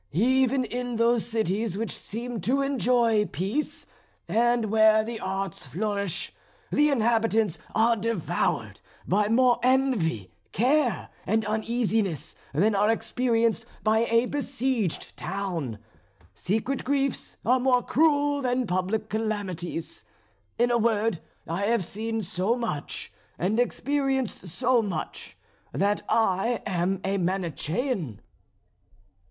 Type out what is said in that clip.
Even in those cities which seem to enjoy peace, and where the arts flourish, the inhabitants are devoured by more envy, care, and uneasiness than are experienced by a besieged town. Secret griefs are more cruel than public calamities. In a word I have seen so much, and experienced so much that I am a Manichean."